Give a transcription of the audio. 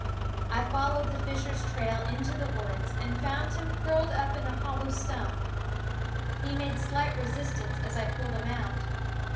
I followed the fisher's trail into the woods and found him curled up in a hollow stump. He made slight resistance as I pulled him out.